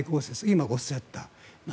今、おっしゃった。